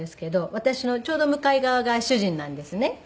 私のちょうど向かい側が主人なんですね。